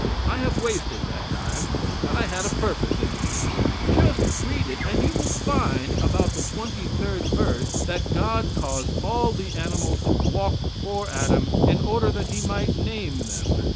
I have wasted that time, but I had a purpose in view. Just read it, and you will find, about the twenty third verse, that God caused all the animals to walk before Adam in order that he might name them.